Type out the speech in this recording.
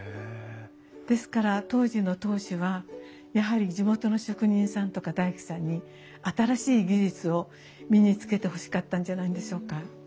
ですから当時の当主はやはり地元の職人さんとか大工さんに新しい技術を身につけてほしかったんじゃないんでしょうか。